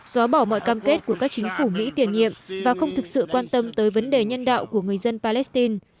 xóa bỏ mọi cam kết của các chính phủ mỹ tiền nhiệm và không thực sự quan tâm tới vấn đề nhân đạo của người dân palestine